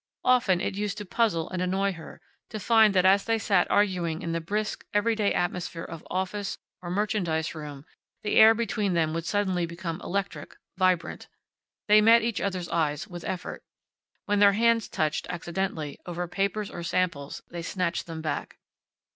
Often it used to puzzle and annoy her to find that as they sat arguing in the brisk, everyday atmosphere of office or merchandise room the air between them would suddenly become electric, vibrant. They met each other's eyes with effort. When their hands touched, accidentally, over papers or samples they snatched them back.